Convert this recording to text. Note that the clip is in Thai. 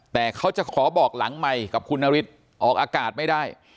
แต่เขาจะขอบอกหลังใหม่กับคุณนฤทธิ์ออกอากาศไม่ได้